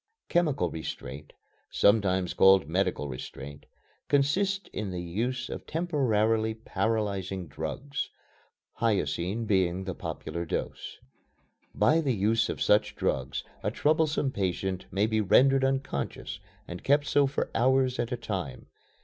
Chemical restraint (sometimes called medical restraint) consists in the use of temporarily paralyzing drugs hyoscine being the popular "dose." By the use of such drugs a troublesome patient may be rendered unconscious and kept so for hours at a time.